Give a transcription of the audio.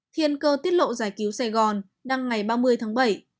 thiên cơ tiết lộ giải cứu sài gòn đăng ngày ba mươi tháng bảy